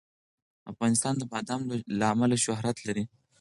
افغانستان د بادام له امله شهرت لري.